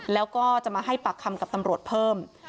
แล้วก็จะมาให้ปากคำกับตำรวจเพิ่ม